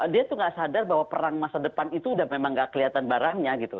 dia tuh gak sadar bahwa perang masa depan itu udah memang gak kelihatan barangnya gitu